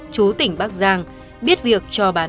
chú tỉnh bắc giang biết việc cho bán